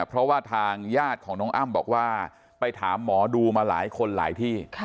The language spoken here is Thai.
เพราะว่าทางญาติของน้องอ้ำบอกว่าไปถามหมอดูมาหลายคนหลายที่